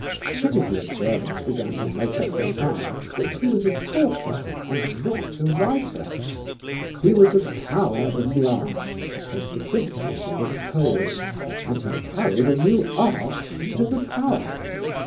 Critical observers began to make up their minds that he was a talker and not a writer. "He was a power in the art," as de Quincey said of Coleridge; "and he carried a new art into the power."